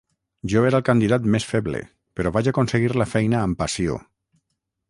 Jo era el candidat més feble, però vaig aconseguir la feina amb passió.